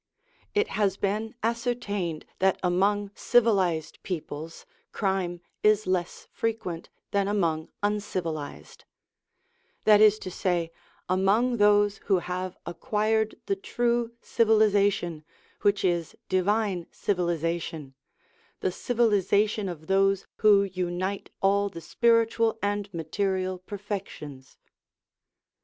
It has been ascertained that among civilised peoples crime is less frequent than among uncivilised; that 312 SOME ANSWERED QUESTIONS is to say, among those who have acquired the true civilisation, which is divine civilisation the civilisa tion of those who unite all the spiritual and material perfections.